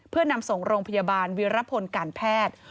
เพื่อนำส่งโรงพยาบาลวิรพลการแพทย์